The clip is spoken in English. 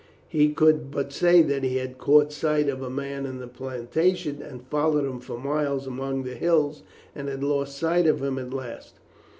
He could but say that he had caught sight of a man in the plantation and followed him for miles among the hills, and had lost sight of him at last.